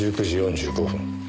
１９時４５分。